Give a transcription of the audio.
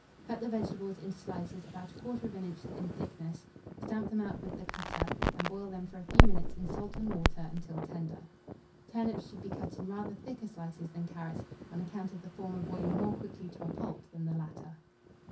Cut the vegetables into slices about 1/4 inch in thickness, stamp them out with the cutter, and boil them for a few minutes in salt and water, until tender. Turnips should be cut in rather thicker slices than carrots, on account of the former boiling more quickly to a pulp than the latter.